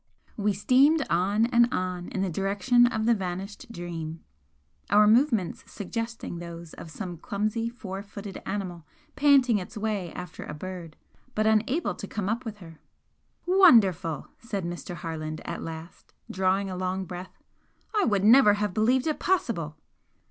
We steamed on and on in the direction of the vanished 'Dream,' our movements suggesting those of some clumsy four footed animal panting its way after a bird, but unable to come up with her. "Wonderful!" said Mr. Harland, at last, drawing a long breath, "I would never have believed it possible!"